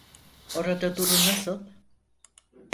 Orada durum nasıl?